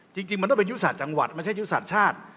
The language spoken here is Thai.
จริงมันต้องเป็นอยุตสาธิจังหวัดไม่ใช่อยุตสาธิชาติ